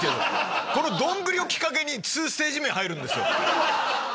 この丼をきっかけに２ステージ目入るんです。